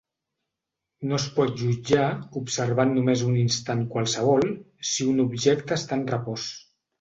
No es pot jutjar, observant només un instant qualsevol, si un objecte està en repòs.